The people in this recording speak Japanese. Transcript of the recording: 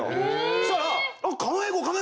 そしたら。